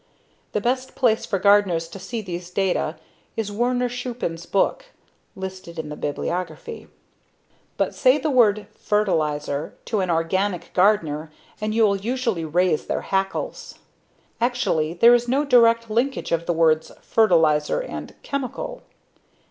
The best place for gardeners to see these data is Werner Schupan's book (listed in the bibliography). But say the word "fertilizer" to an organic gardener and you'll usually raise their hackles. Actually there is no direct linkage of the words "fertilizer" and "chemical."